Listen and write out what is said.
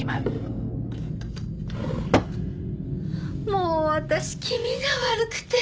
もう私気味が悪くて。